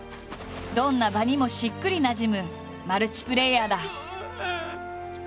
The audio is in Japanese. どんな場にもしっくりなじむマルチプレーヤーだ。